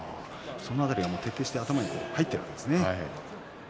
その辺り、徹底して頭に入っているということですね。